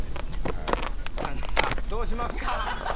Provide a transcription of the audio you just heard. さぁどうしますか？